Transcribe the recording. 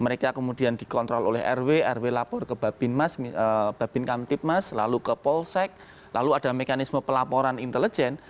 mereka kemudian dikontrol oleh rw rw lapor ke babin kamtipmas lalu ke polsek lalu ada mekanisme pelaporan intelijen